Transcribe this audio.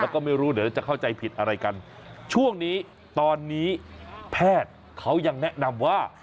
แล้วก็ไม่รู้เดี๋ยวจะเข้าใจผิดอะไรกันช่วงนี้ตอนนี้แพทย์เขายังแนะนำว่า